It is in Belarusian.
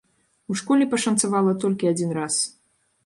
У школе пашанцавала толькі адзін раз.